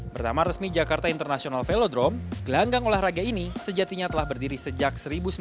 bertama resmi jakarta international velodrom gelanggang olahraga ini sejatinya telah berdiri sejak seribu sembilan ratus tujuh puluh tiga